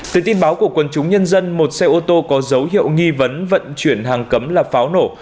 từ tin báo của quân chúng nhân dân một xe ô tô có dấu hiệu nghi vấn vận chuyển hàng cấm là pháo nổ